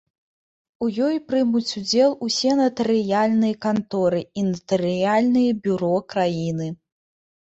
У ёй прымуць удзел усе натарыяльныя канторы і натарыяльныя бюро краіны.